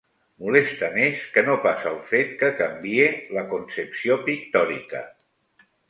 Molesta més que no pas el fet que canvie la concepció pictòrica.